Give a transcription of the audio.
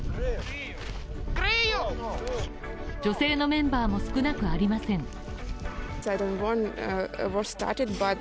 女性のメンバーも少なくありません。